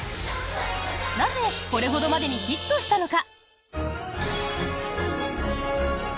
なぜ、これほどまでにヒットしたのか？